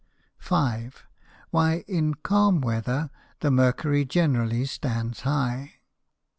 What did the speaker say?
5. _Why in calm Weather the Mercury generally stands high?